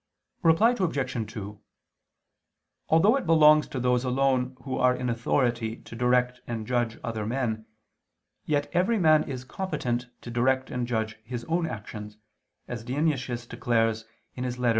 Reply Obj. 2: Although it belongs to those alone who are in authority to direct and judge other men, yet every man is competent to direct and judge his own actions, as Dionysius declares (Ep.